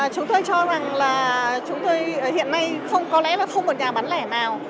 chúng tôi cho rằng là chúng tôi hiện nay có lẽ là không có một nhà bán lẻ nào